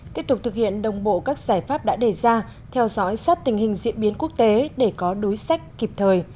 tiếp tục thực hiện đồng bộ các giải pháp đã đề ra theo dõi sát tình hình diễn biến quốc tế để có đối sách kịp thời